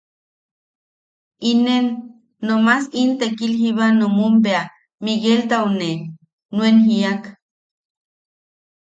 Inen nomas in tekil jiba junum bea Migueltau ne nuen jiak: